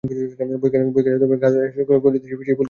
বৈকালে গা ধুইয়া আসিয়া কমলা সেই ফুলগুলি লইয়া মালা গাঁথিতে বসিল।